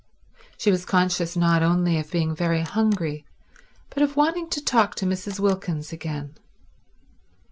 She was conscious not only of being very hungry but of wanting to talk to Mrs. Wilkins again.